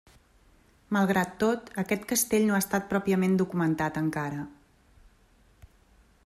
Malgrat tot, aquest castell no ha estat pròpiament documentat, encara.